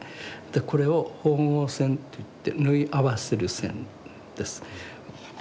これを縫合線といって縫い合わせる線です。